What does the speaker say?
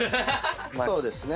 そうですね。